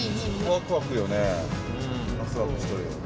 ワクワクしてるよ。